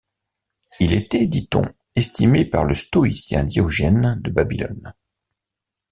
Il était, dit-on, estimé par le stoïcien Diogène de Babylone.